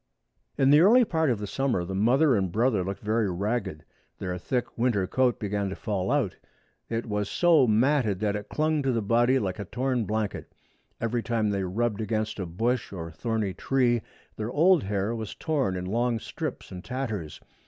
In the early part of the summer the mother and brother looked very ragged. Their thick winter coat began to fall out. It was so matted that it clung to the body like a torn blanket. Every time they rubbed against a bush or thorny tree their old hair was torn in long strips and tatters.